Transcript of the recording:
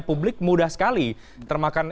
publik mudah sekali termakan